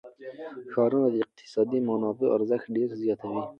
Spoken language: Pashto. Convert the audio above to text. ښارونه د اقتصادي منابعو ارزښت ډېر زیاتوي.